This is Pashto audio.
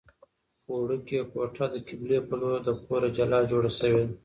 وړوکې کوټه د قبلې په لور له کوره جلا جوړه شوې ده.